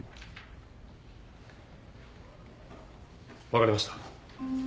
分かりました。